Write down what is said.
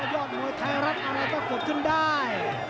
สร้างแรกเลยที่ก็กว่าคุณได้